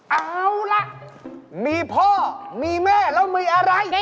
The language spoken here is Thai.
เอาล่ะมีพ่อมีแม่แล้วมีอะไร